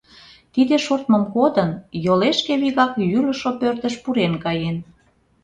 Тиде шортмым кодын, йолешке вигак йӱлышӧ пӧртыш пурен каен.